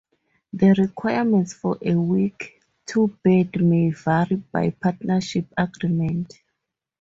The requirements for a weak two bid may vary by partnership agreement.